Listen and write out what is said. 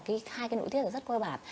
cái ớtrogen nó tiết rất coi bản